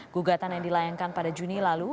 gugatan yang dilayangkan pada juni lalu